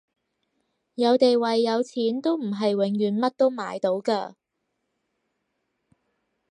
有地位有錢都唔係永遠乜都買到㗎